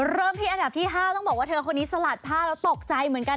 เริ่มที่อันดับที่๕ต้องบอกว่าเธอคนนี้สลัดผ้าแล้วตกใจเหมือนกัน